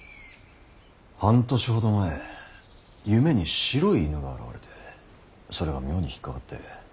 半年ほど前夢に白い犬が現れてそれが妙に引っ掛かって。